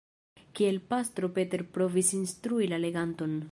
Kiel pastro Peter provis instrui la leganton.